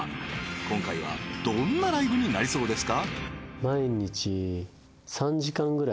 今回はどんなライブになりそうですか？